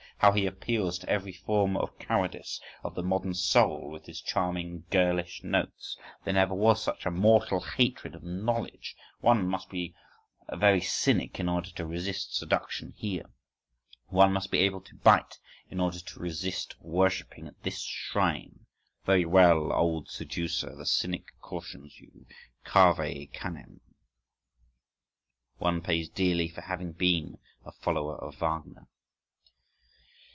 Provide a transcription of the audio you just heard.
How he appeals to every form of cowardice of the modern soul with his charming girlish notes! There never was such a mortal hatred of knowledge! One must be a very cynic in order to resist seduction here. One must be able to bite in order to resist worshipping at this shrine. Very well, old seducer! The cynic cautions you—cave canem.… One pays dearly for having been a follower of Wagner.